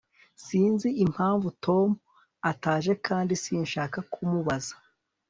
Sinzi impamvu Tom ataje kandi sinshaka kumubaza